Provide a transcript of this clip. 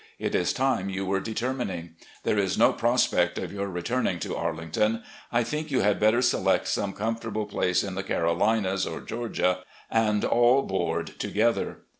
It is time you were determining. There is no prospect of your returning to Arlington. I think you had better select some comfortable place in the Carolinas or Georgia, and all board together.